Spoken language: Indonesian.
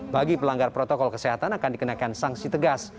bagi pelanggar protokol kesehatan akan dikenakan sanksi tegas